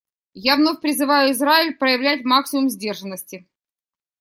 Я вновь призываю Израиль проявлять максимум сдержанности.